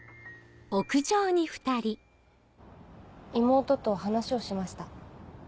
妹と話をしました。